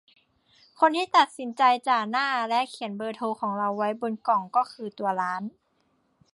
คนที่ตัดสินใจจ่าหน้าและเขียนเบอร์โทรของเราไว้บนกล่องก็คือตัวร้าน